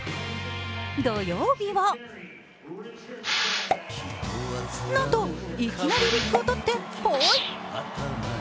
土曜日はなんと、いきなりウィッグを取ってポイッ。